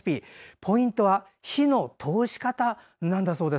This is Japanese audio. ポイントは火の通し方なんだそうです。